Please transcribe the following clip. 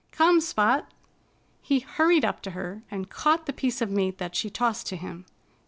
Come, Spot!" He hurried up to her and caught the piece of meat that she tossed to him.